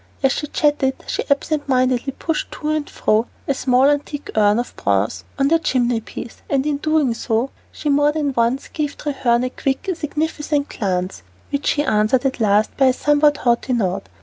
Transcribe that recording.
As she chatted, she absently pushed to and fro a small antique urn of bronze on the chimneypiece, and in doing so she more than once gave Treherne a quick, significant glance, which he answered at last by a somewhat haughty nod.